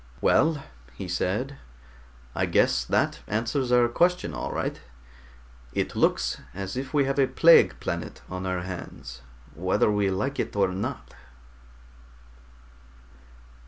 "Well," he said, "I guess that answers our question, all right. It looks as if we have a plague planet on our hands, whether we like it or not."